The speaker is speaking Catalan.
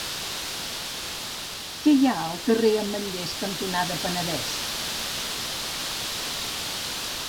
Què hi ha al carrer Ametllers cantonada Penedès?